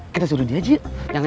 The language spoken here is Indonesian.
kita suruh dia aja ya